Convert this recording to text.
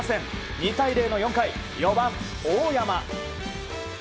２対０の４回４番、大山。